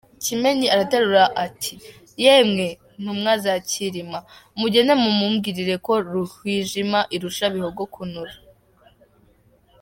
Kimenyi araterura ati “Yemwe ntumwa za Cyilima, mugende mumumbwirire ko Ruhwijima irusha Bihogo kunura.